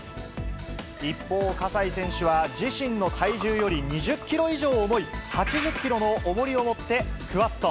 一方、葛西選手は自身の体重より２０キロ以上重い、８０キロのおもりを持ってスクワット。